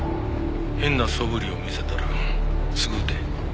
変なそぶりを見せたらすぐ撃て